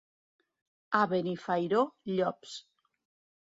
A Benifairó, llops.